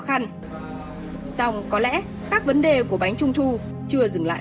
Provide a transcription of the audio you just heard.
xong có lẽ các vấn đề của bánh trung thu chưa dừng lại